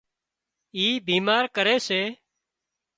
اي بيمار ڪري سي